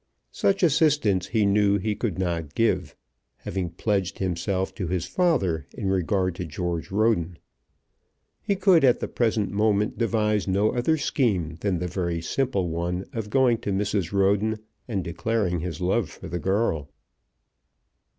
Such assistance, he knew, he could not give, having pledged himself to his father in regard to George Roden. He could at the present moment devise no other scheme than the very simple one of going to Mrs. Roden, and declaring his love for the girl.